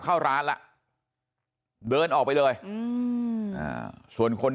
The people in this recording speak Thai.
ไม่รู้ตอนไหนอะไรยังไงนะ